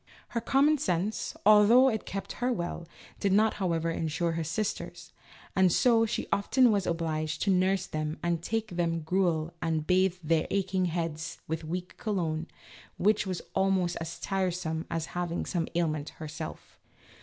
Her common sense, although it kept her well, did not however insure her sisters, and so she often was obliged to nurse them, and take them gruel, and bathe their aching heads with weak cologne, which was almost as tiresome as having some ailment her self.